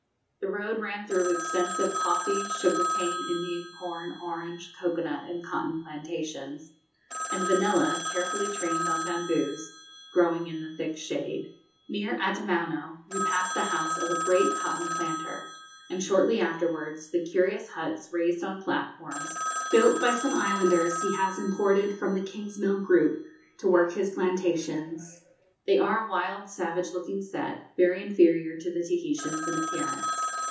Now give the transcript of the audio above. The road ran through extensive coffee, sugar cane, Indian corn, orange, cocoa nut, and cotton plantations, and vanilla, carefully trained on bamboos, growing in the thick shade. Near Atimaono we passed the house of a great cotton planter, and, shortly afterwards, the curious huts, raised on platforms, built by some islanders he has imported from the Kingsmill group to work his plantations. They are a wild, savage looking set, very inferior to the Tahitians in appearance.